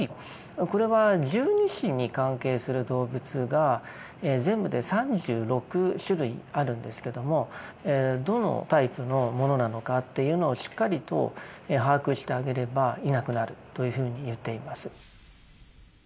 これは十二支に関係する動物が全部で３６種類あるんですけどもどのタイプのものなのかというのをしっかりと把握してあげればいなくなるというふうに言っています。